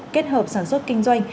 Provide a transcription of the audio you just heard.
kết hợp sản xuất kinh doanh